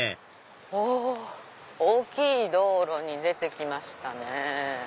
お大きい道路に出て来ましたね。